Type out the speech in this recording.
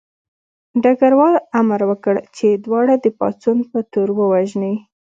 ډګروال امر وکړ چې دواړه د پاڅون په تور ووژني